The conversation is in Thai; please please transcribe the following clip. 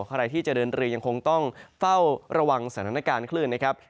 ใครที่จะเดินเรือยังคงต้องเฝ้าระวังสถานการณ์คลื่นนะครับ